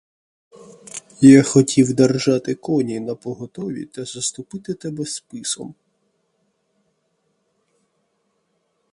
Я хотів держати коні напоготові та заступити тебе списом.